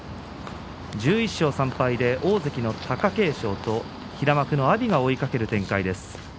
１１勝３敗で大関の貴景勝と平幕の阿炎が追いかける展開です。